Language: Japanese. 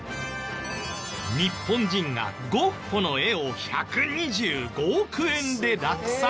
日本人がゴッホの絵を１２５億円で落札。